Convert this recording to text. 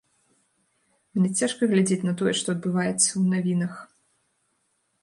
Мне цяжка глядзець на тое, што адбываецца, у навінах.